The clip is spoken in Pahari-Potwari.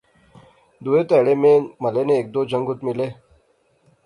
دوہے تہاڑے میں محلے نے ہیک دو جنگت ملے